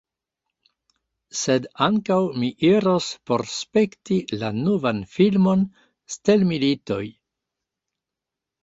Sed ankaŭ mi iros por spekti la novan filmon, stelmilitoj